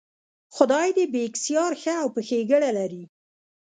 خدای دې بېکسیار ښه او په ښېګړه لري.